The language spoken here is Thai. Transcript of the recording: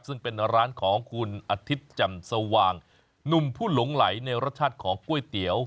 ซึ่งเป็นร้านของคุณอาทิตย์แจ่มสว่างหนุ่มผู้หลงไหลในรสชาติของก๋วยเตี๋ยว